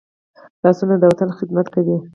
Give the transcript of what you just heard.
لاسونه د وطن خدمت کوي